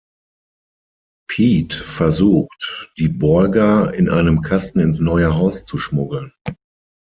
Pete versucht, die Borger in einem Kasten ins neue Haus zu schmuggeln.